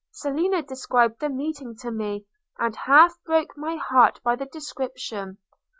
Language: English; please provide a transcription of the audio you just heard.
Selina described the meeting to me, and half broke my heart by the description.